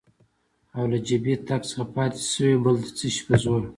او له جبهې تګ څخه پاتې شوې، بل د څه شي په زور؟